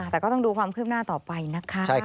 แต่ก็ต้องดูความคืบหน้าต่อไปนะคะ